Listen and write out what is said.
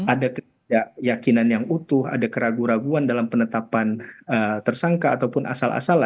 ada ketidakyakinan yang utuh ada keraguan keraguan dalam penetapan tersangka ataupun asal asalan